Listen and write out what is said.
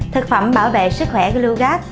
thực phẩm bảo vệ sức khỏe gluco